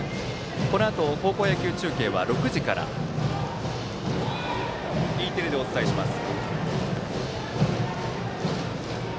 このあと高校野球中継は６時からＥテレでお伝えします。